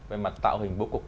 về mặt tạo hình bố cục